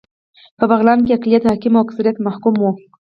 په بغلان کې اقلیت حاکم او اکثریت محکوم و